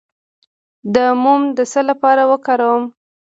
د موم د څه لپاره وکاروم؟